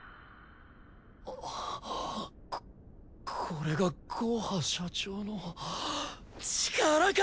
ここれがゴーハ社長の力か！